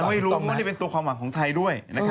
ยังไม่รู้เพราะว่าจะเป็นตัวความหวังของไทยด้วย